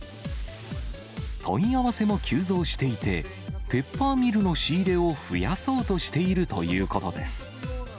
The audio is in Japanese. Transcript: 問い合わせも急増していて、ペッパーミルの仕入れを増やそうとしているということです。